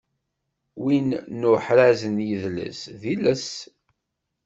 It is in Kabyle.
Win n uḥraz n yidles d yiles.